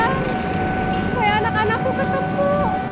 supaya anak anakku ketemu